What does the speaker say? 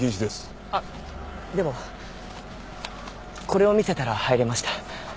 あっでもこれを見せたら入れました。